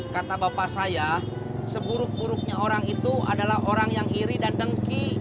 kata bapak saya seburuk buruknya orang itu adalah orang yang iri dan dengki